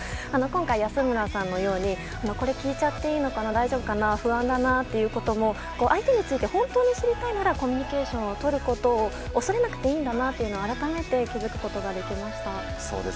今回、安村さんのようにこれを聞いちゃって大丈夫かな不安だなっていうことも相手について本当に心配ならコミュニケーションをとることを恐れなくていいんだなと改めて気づくことができました。